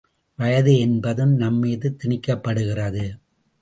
வயது என்பதும் நம்மீது திணிக்கப்படுகிறது.